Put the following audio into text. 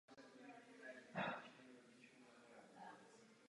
Řekl jste, že posouzení sociálního dopadu jsou pro vás důležitá.